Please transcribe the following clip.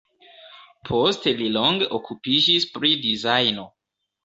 Poste li longe okupiĝis pri dizajno.